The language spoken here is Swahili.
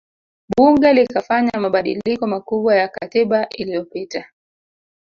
Bunge likafanya mabadiliko makubwa ya katiba iliyopita